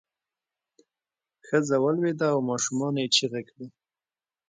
ښځه ولویده او ماشومانو یې چغې کړې.